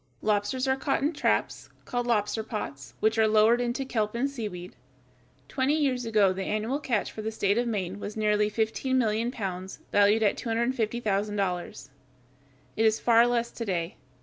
Lobsters are caught in traps, called lobster pots, which are lowered into the kelp and seaweed. Twenty years ago the annual catch for the state of Maine was nearly fifteen million pounds, valued at $250,000. It is far less to day.